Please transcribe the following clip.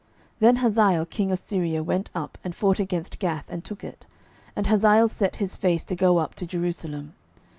12:012:017 Then Hazael king of Syria went up, and fought against Gath, and took it: and Hazael set his face to go up to Jerusalem.